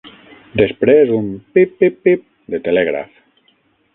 Després, un «pip-pip-pip» de telègraf